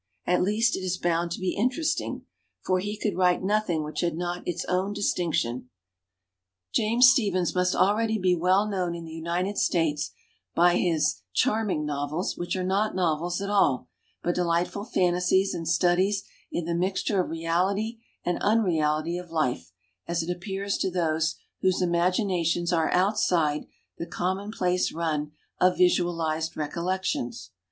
At least, it is bound to be interesting, for he could write nothing which had not its own distinc tion. James Stephens must already be well known in the United States by his charming novels which are not novels at all, but delightful fantasies and studies in the mixture of reality and unreality of life as it appears to those whose imagrinations are outside the commonplace run of visualized recol lections.